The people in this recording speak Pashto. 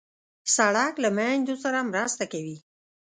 سړک له میندو سره مرسته کوي.